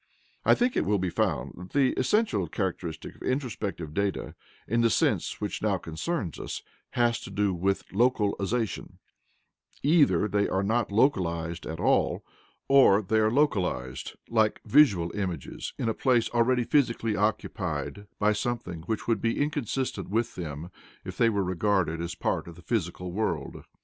I think it will be found that the essential characteristic of introspective data, in the sense which now concerns us, has to do with LOCALIZATION: either they are not localized at all, or they are localized, like visual images, in a place already physically occupied by something which would be inconsistent with them if they were regarded as part of the physical world.